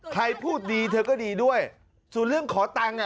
ใครพูดดีเธอก็ดีด้วยส่วนเรื่องขอตังค์อ่ะ